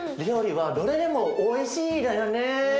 料理はどれでもおいしいだよね。